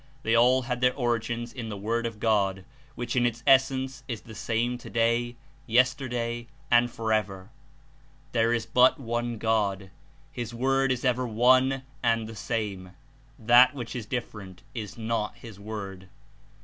They all had their origins in the Word of God, which In its essence is the same today, yesterday and forever. There is but One God; His Word is ever one and the same. That which is different is not His Word.